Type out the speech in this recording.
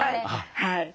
はい。